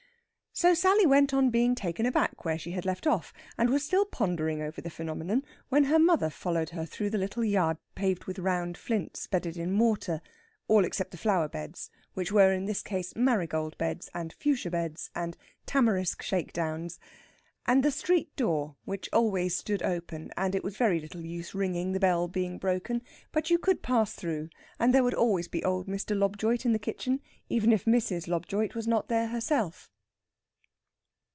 So Sally went on being taken aback where she had left off, and was still pondering over the phenomenon when her mother followed her through the little yard paved with round flints bedded in mortar all except the flower beds, which were in this case marigold beds and fuschia beds and tamarisk shakedowns and the street door which always stood open, and it was very little use ringing, the bell being broken. But you could pass through, and there would always be old Mr. Lobjoit in the kitchen, even if Mrs. Lobjoit was not there herself.